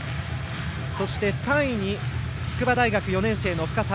そして、３位に筑波大学４年生の深沢。